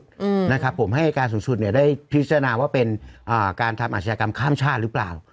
อืมนะครับผมให้การสูงสุดเนี่ยได้พิจารณาว่าเป็นอ่าการทำอาชญากรรมข้ามชาติหรือเปล่า